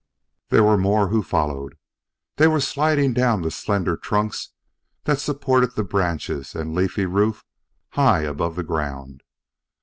There were more who followed. They were sliding down the slender trunks that supported the branches and leafy roof high above the ground.